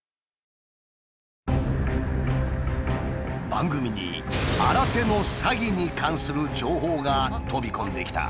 番組に新手の詐欺に関する情報が飛び込んできた。